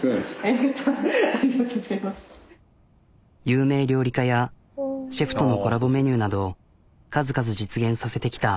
有名料理家やシェフとのコラボメニューなど数々実現させてきた。